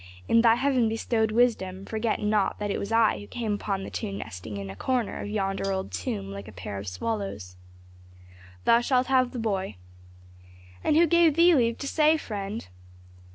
"In thy heaven bestowed wisdom forget not that it was I who came upon the two nesting in a corner of yonder old tomb like a pair of swallows." "Thou shalt have the boy." "And who gave thee leave to say, friend?"